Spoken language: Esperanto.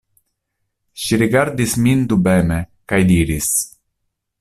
Ŝi rigardis min dubeme kaj diris: